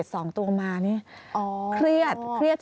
๗สองตัวมานี่